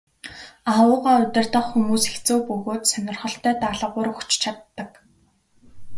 Аугаа удирдах хүмүүс хэцүү бөгөөд сонирхолтой даалгавар өгч чаддаг.